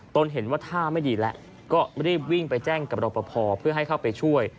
ตนเห็นว่าท่าไม่ดีแล้วก็รีบวิ่งไปแจ้งกับรอปภเพื่อให้เข้าไปช่วย